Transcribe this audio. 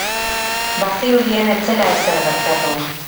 Bazirudien ez zela ezer gertatu.